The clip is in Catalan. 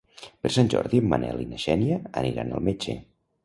Per Sant Jordi en Manel i na Xènia aniran al metge.